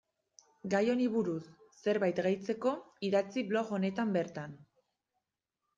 Gai honi buruz zerbait gehitzeko idatzi blog honetan bertan.